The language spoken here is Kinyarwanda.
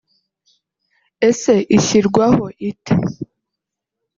Ese ishyirwaho ite